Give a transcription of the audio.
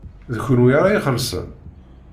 D kenwi ara ixellṣen?